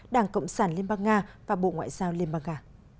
đảng cộng sản liên bang nga và bộ ngoại giao liên bang nga